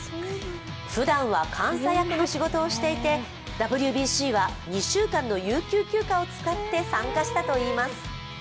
ふだんは監査役の仕事をしていて、ＷＢＣは２週間の有給休暇を使って参加したといいます。